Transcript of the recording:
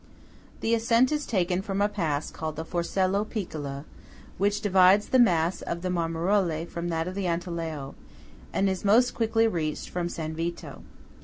The ascent is taken from a pass called the Forcella Piccola which divides the mass of the Marmarole from that of the Antelao, and is most quickly reached from San Vito.